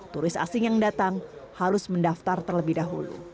turis asing yang datang harus mendaftar terlebih dahulu